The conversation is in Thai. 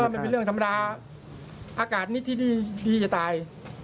ไม่เป็นเรื่องธรรมดาอากาศนี้ที่ดีจะตาย